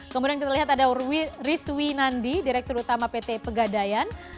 kemudian kita lihat ada rizwi nandi direktur utama pt pegadayan